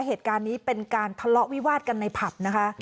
เหตุการณ์นี้เป็นการทะเลาะวิวาดกันในผับนะคะ